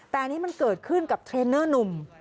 แต่อันนี้มันเกิดขึ้นกับเทรนเนอร์หนุ่ม